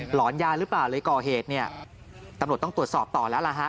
หอนยาหรือเปล่าเลยก่อเหตุเนี่ยตำรวจต้องตรวจสอบต่อแล้วล่ะฮะ